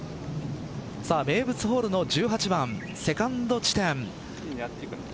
名物ホールの１８番セカンド地点。